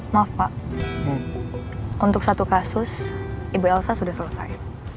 maaf pak untuk satu kasus ibu elsa sudah selesai